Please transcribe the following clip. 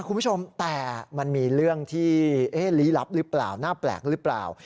คุณผู้ชมแต่มันมีเรื่องที่ลี้ลับหรือเปล่าน่าแปลกหรือเปล่า